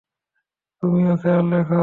তুমিও খেয়াল রেখো।